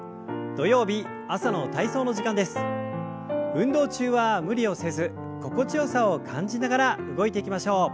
運動中は無理をせず心地よさを感じながら動いていきましょう。